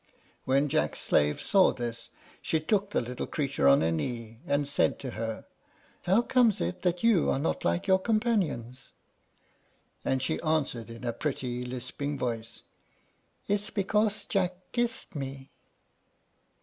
When Jack's slave saw this, she took the little creature on her knee, and said to her, "How comes it that you are not like your companions?" And she answered, in a pretty lisping voice, "It's because Jack kissed me."